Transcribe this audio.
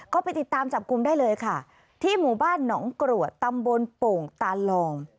ก็ไปติดตามจับกลุ่มได้เลยค่ะที่หมู่บ้านหนองกรวดตำบลโป่งตาลอง